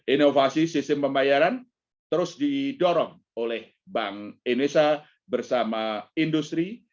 inovasi sistem pembayaran terus didorong oleh bank indonesia bersama industri